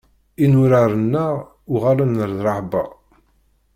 Inurar-nneɣ uɣalen d rrehba.